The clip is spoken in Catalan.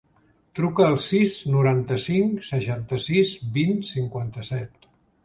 Truca al sis, noranta-cinc, seixanta-sis, vint, cinquanta-set.